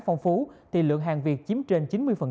phong phú thì lượng hàng việt chiếm trên chín mươi